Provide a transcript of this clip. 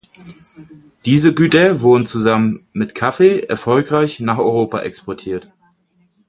Diese Güter wurden zusammen mit Kaffee erfolgreich nach Europa exportiert.